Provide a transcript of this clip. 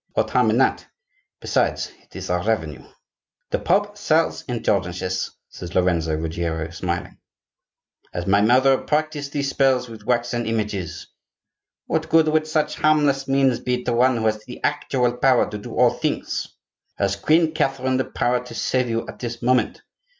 What harm in that? Besides, it is our revenue." "The Pope sells indulgences," said Lorenzo Ruggiero, smiling. "Has my mother practised these spells with waxen images?" "What good would such harmless means be to one who has the actual power to do all things?" "Has Queen Catherine the power to save you at this moment?"